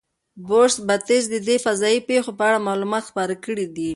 بروس بتز د دې فضایي پیښو په اړه معلومات خپاره کړي دي.